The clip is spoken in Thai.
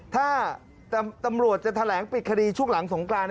ถ้าตำรวจจะแถลงปิดคดีช่วงหลังสงกราน